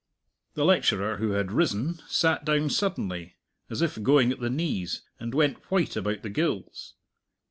The lecturer, who had risen, sat down suddenly as if going at the knees, and went white about the gills.